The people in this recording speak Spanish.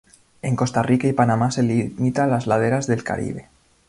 En Costa Rica y Panamá se limita a las laderas del Caribe.